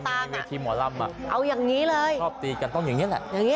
เวลามีเวทีหมอร่ำชอบตีกันต้องอย่างนี้แหละ